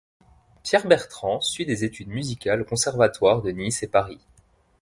Pierre Bertrand suit des études musicales aux conservatoires de Nice et Paris.